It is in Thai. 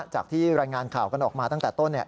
จากที่รายงานข่าวกันออกมาตั้งแต่ต้น